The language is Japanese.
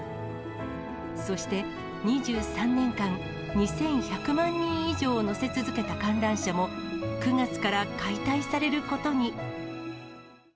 そして２３年間、２１００万人以上を乗せ続けた観覧車も、９月から解体されることに。